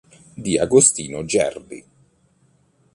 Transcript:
Di Agostino Gerli.".